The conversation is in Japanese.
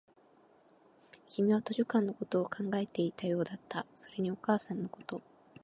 君は図書館のことを考えていたようだった、それにお母さんのこと